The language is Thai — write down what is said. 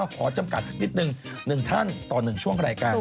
ขอจำกัดสักนิดนึง๑ท่านต่อ๑ช่วงรายการ